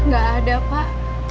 gak ada pak